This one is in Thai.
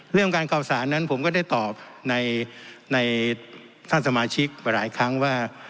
เรื่องการข่าวสารนั้นผมก็ได้ตอบในท่านสมาชิกไปหลายครั้งว่า